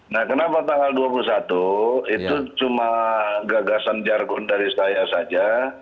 nah kenapa tanggal dua puluh satu itu cuma gagasan jargon dari saya saja